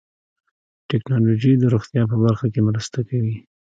ټکنالوجي د روغتیا په برخه کې مرسته کوي.